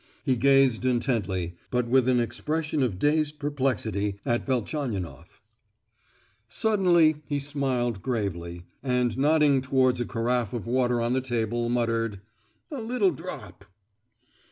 He gazed intently, but with an expression of dazed perplexity, at Velchaninoff. Suddenly he smiled gravely, and nodding towards a carafe of water on the table, muttered, "A little drop!"